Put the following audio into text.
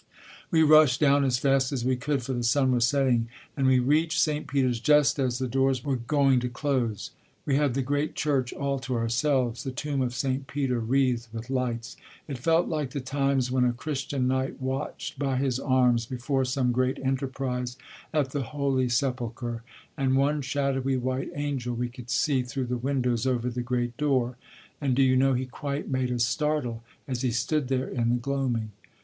We rushed down as fast as we could for the sun was setting, and we reached St. Peter's just as the doors were going to close. We had the great Church all to ourselves, the tomb of St. Peter wreathed with lights. It felt like the times when a Christian knight watched by his arms before some great enterprise at the Holy Sepulchre; and one shadowy white angel we could see through the windows over the great door; and do you know he quite made us startle as he stood there in the gloaming.